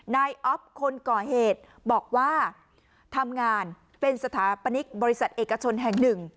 นายอ๊อฟคนก่อเหตุบอกว่าทำงานเป็นสถาปนิกบริษัทเอกชนแห่งหนึ่ง